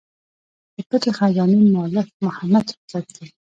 د پټي خزانې مؤلف محمد هوتک دﺉ.